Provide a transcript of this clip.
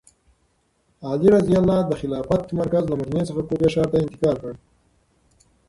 علي رض د خلافت مرکز له مدینې څخه کوفې ښار ته انتقال کړ.